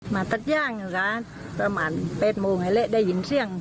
มาตัดย่างนะคะประมาณ๘โมงให้เล็กได้ยินเสื้อง